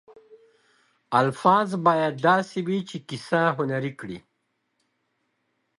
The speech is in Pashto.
الفاظ باید داسې وي چې کیسه هنري کړي.